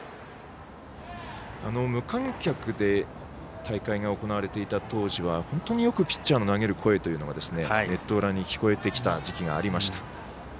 無観客で大会が行われていた当時は本当によくピッチャーの投げる声というのがネット裏に聞こえてきた時期がありました。